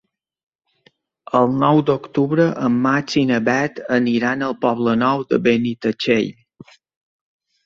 El nou d'octubre en Max i na Bet aniran al Poble Nou de Benitatxell.